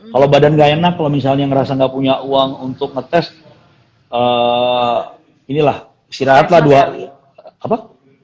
kalau badan nggak enak kalau misalnya ngerasa nggak punya uang untuk ngetes inilah istirahatlah dua apa